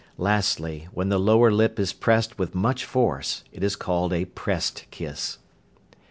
Lastly, when the lower lip is pressed with much force, it is called a "pressed kiss."